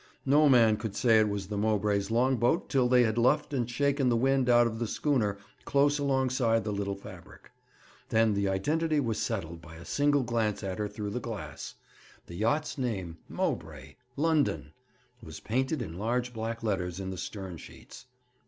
No man could say it was the Mowbray's long boat till they had luffed and shaken the wind out of the schooner close alongside the little fabric. Then her identity was settled by a single glance at her through the glass. The yacht's name, 'Mowbray London,' was painted in large black letters in the stern sheets.